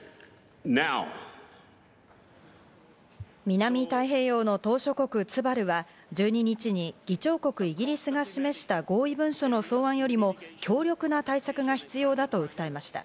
南太平洋の島しょ国ツバルは１２日に議長国イギリスが示した合意文書の草案よりも強力な対策が必要だと訴えました。